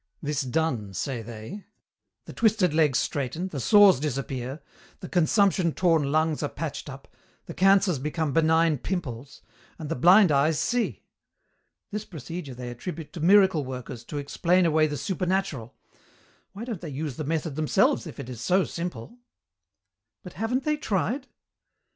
This done say they the twisted legs straighten, the sores disappear, the consumption torn lungs are patched up, the cancers become benign pimples, and the blind eyes see. This procedure they attribute to miracle workers to explain away the supernatural why don't they use the method themselves if it is so simple?" "But haven't they tried?"